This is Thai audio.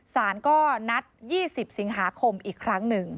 สารก็นัด๒๐สิงหาคมอีกครั้งหนึ่ง